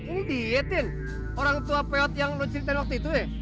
ini dietin orang tua peot yang lu ceritain waktu itu ya